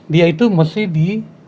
dia itu mesti di